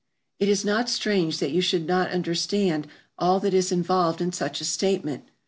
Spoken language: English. It is not strange that you should not understand all that is involved in such a statement.